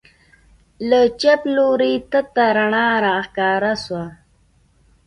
له چپ لوري تته رڼا راښکاره سوه.